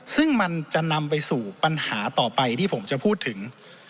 ซึ่งมันจะนำไปสู่ปัญหาต่อไปที่ผมจะพูดถึง